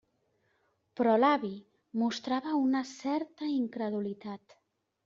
Però l'avi mostrava una certa incredulitat.